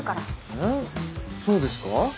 えっそうですか？